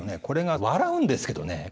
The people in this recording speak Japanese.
これが笑うんですけどね